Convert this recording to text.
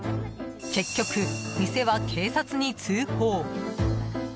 結局、店は警察に通報。